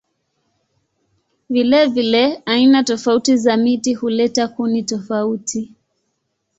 Vilevile aina tofauti za miti huleta kuni tofauti.